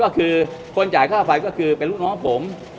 คือคนจ่ายค่าไฟคือเป็นน้องผม